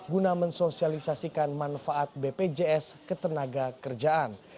guna mensosialisasikan manfaat bpjs ketenaga kerjaan